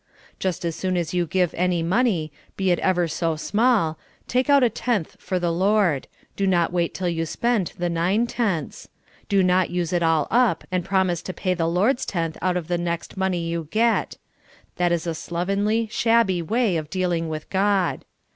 Just as soon' as you receive any money, be it ever so small, take out the tenth for the Lord ; do not wait till you spend the nine tenths ; do not use it all up, and promise to pa}^ the Lord's tenth out of the next money you get ; that is a slovenly, shabby way of dealing with God.